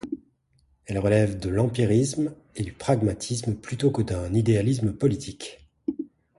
Elles relèvent de l’empirisme et du pragmatisme plutôt que d’un idéalisme politique.